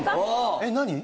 えっ何？